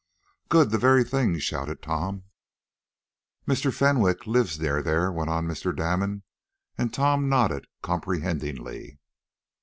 "Good! The very thing!" shouted Tom. "Mr. Fenwick lives near there," went on Mr. Damon, and Tom nodded comprehendingly.